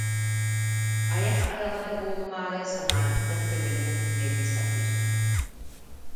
Айах адаҕата буолумаары санаатыттан көмөлөһөн үлэлии сатыыр.